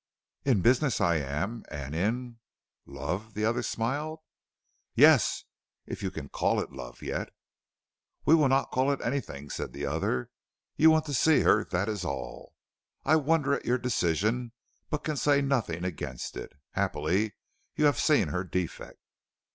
"In business I am, and in " "Love?" the other smiled. "Yes, if you can call it love, yet." "We will not call it anything," said the other. "You want to see her, that is all. I wonder at your decision, but can say nothing against it. Happily, you have seen her defect."